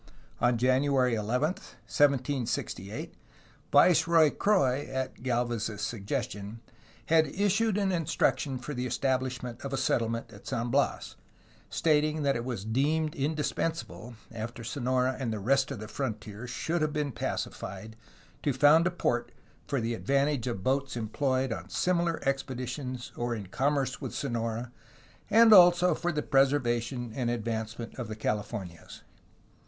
On January 11, 1768, Viceroy Croix (at Gdlvez's suggestion) had issued an instruction for the estab lishment of a settlement at San Bias, stating that it was deemed indispensable, after Sonora and the rest of the fron tier should have been pacified, to found a port for the ad vantage of boats employed on similar expeditions or in com merce with Sonora and also .for the preservation and advancement of the Californias.